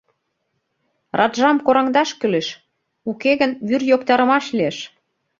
Раджам кораҥдаш кӱлеш, уке гын, вӱр йоктарымаш лиеш!